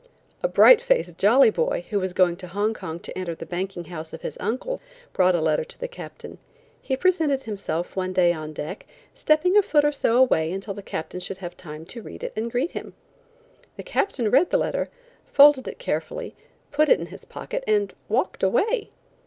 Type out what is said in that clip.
A bright faced, jolly boy, who was going to Hong Kong to enter a banking house of his uncle's, brought a letter to the Captain. He presented himself one day on deck, stepping a foot or so away until the Captain should have time to read it and greet him. The Captain read the letter, folded it carefully, put it in his pocket, and walked away!